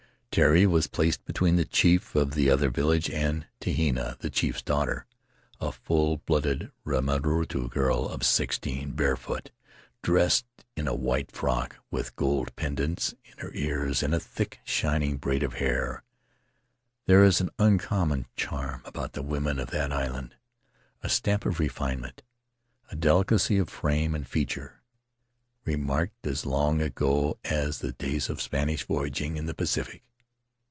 Terii was placed between the chief of the other village and Tehina, the chief's daughter, a full blooded Rimarutu girl of sixteen, barefoot, dressed in a white frock, with gold pendants in her ears and a thick, shining braid of hair. There is an uncommon charm about the women of that island — a stamp of refinement, a delicacy of frame and feature, remarked as long ago as the days of Spanish voyaging in the Pacific.